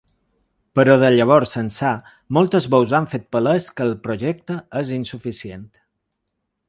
Però de llavors ençà moltes veus han fet palès que el projecte és insuficient.